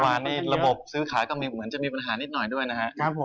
เมื่อวานระบบซื้อขายก็เหมือนจะมีปัญหานิดหน่อยด้วยนะฮะ